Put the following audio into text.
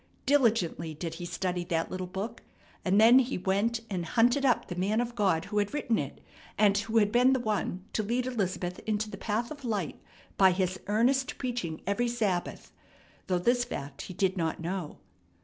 Diligently did he study that little book, and then he went and hunted up the man of God who had written it, and who had been the one to lead Elizabeth into the path of light by his earnest preaching every Sabbath, though this fact he did not know.